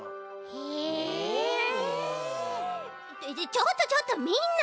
ちょっとちょっとみんな！